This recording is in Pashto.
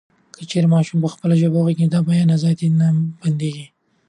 که چیري ماشوم په خپله ژبه غږېږي، د بیان ازادي یې نه بندېږي.